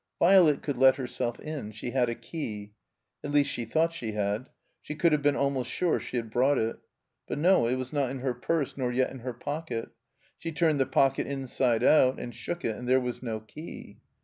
Violet could let herself in. She had a key. At least, she thought she had. She could have been almost sure she had brought it. But no, it was not in her purse, nor yet in her pocket. She turned the pocket inside out and shook it, and there was no key.